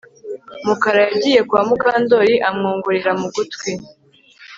Mukara yagiye kwa Mukandoli amwongorera mu gutwi